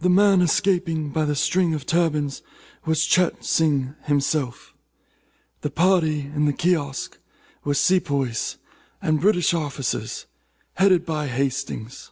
The man escaping by the string of turbans was Cheyte Sing himself. The party in the kiosk were sepoys and British officers, headed by Hastings.